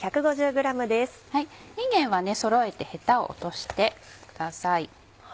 いんげんはそろえてへたを落としてください。